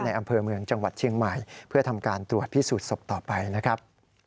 อำเภอเมืองจังหวัดเชียงใหม่เพื่อทำการตรวจพิสูจน์ศพต่อไปนะครับ